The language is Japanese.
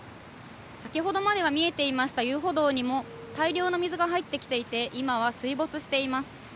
先ほどまでは見えていました遊歩道にも、大量の水が入ってきていて、今は水没しています。